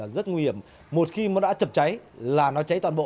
để một khi nó đã chập cháy là nó cháy toàn bộ